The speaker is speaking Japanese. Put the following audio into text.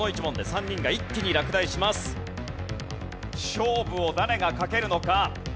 勝負を誰がかけるのか？